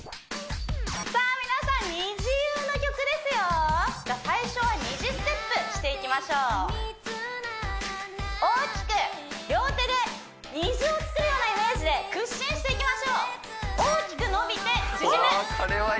さあ皆さんＮｉｚｉＵの曲ですよ最初は虹ステップしていきましょう大きく両手で虹を作るようなイメージで屈伸していきましょう大きく伸びて縮むおこれはいい！